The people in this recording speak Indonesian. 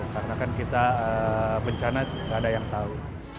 karena kan kita bencana tidak ada yang tahu